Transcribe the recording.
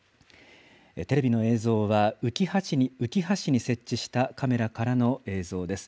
テレビの映像は、うきは市に設置したカメラからの映像です。